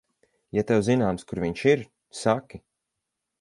Ja tev zināms, kur viņš ir, saki.